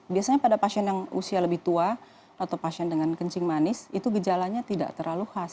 biasanya pada pasien yang usia lebih tua atau pasien dengan kencing manis itu gejalanya tidak terlalu khas